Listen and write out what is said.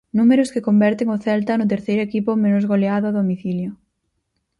Números que converten o Celta no terceiro equipo menos goleado a domicilio.